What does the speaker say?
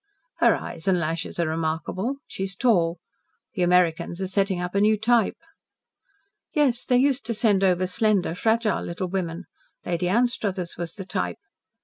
"Her eyes and lashes are remarkable. She is tall. The Americans are setting up a new type." "Yes, they used to send over slender, fragile little women. Lady Anstruthers was the type.